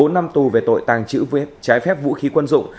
bốn năm tù về tội tàng trữ trái phép vũ khí quân dụng